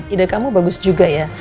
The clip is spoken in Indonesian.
ide kamu bagus juga ya